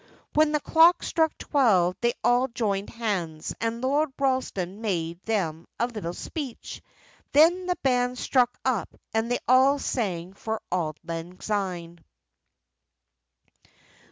When the clock struck twelve they all joined hands, and Lord Ralston made them a little speech. Then the band struck up and they all sang "For Auld Lang Syne."